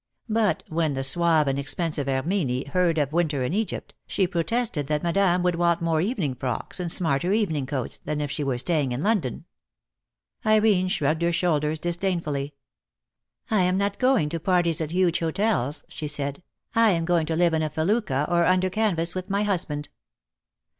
But when the suave and expensive Herminie heard of a winter in Egypt, she protested that madam would want more evening frocks and smarter evening coats than if she were staying in London. Irene shrugged her shoulders disdainfully. "I am not going to parties at huge hotels," she said. "I am going to live in a felucca or under canvas with my husband."